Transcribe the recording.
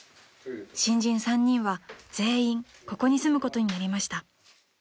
［新人３人は全員ここに住むことになりました］